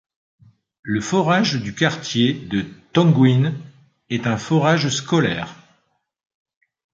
Le forage du quartier de Toguin est un forage scolaire.